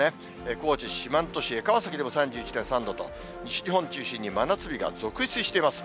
高知・四万十市江川崎でも３１．３度と、西日本中心に真夏日が続出しています。